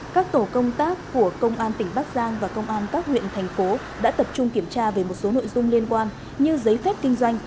các tổ công tác của công an tỉnh bắc giang và công an các huyện thành phố đã tập trung kiểm tra về một số nội dung liên quan như giấy phép kinh doanh